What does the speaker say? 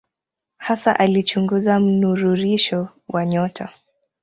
Hasa alichunguza mnururisho wa nyota.